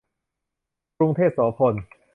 กรุงเทพโสภณ